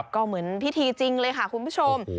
ก็เหมือนพิธีจริงเลยค่ะคุณผู้ชม